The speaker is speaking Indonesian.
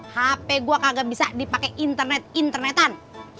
hp gue kagak bisa dipakai internet internetan